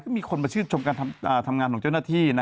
ก็มีผู้โพสต์ชื่นชมงานและทำงานของเจ้าหน้าที่